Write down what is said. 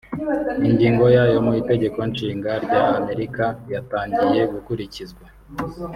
Ingingo ya yo mu itegeko nshinga rya Amerika yatangiye gukurikizwa